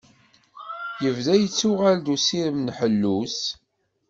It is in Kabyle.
Yebda yettuɣal-d usirem n ḥellu-s.